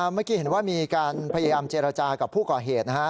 เมื่อกี้เห็นว่ามีการพยายามเจรจากับผู้ก่อเหตุนะฮะ